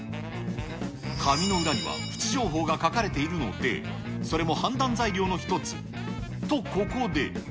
紙の裏には、プチ情報が書かれているので、それも判断材料の一つ、と、ここで。